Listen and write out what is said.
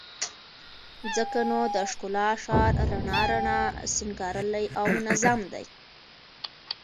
ځکه نو د ښکلا ښار رڼا رڼا، سينګارلى او منظم دى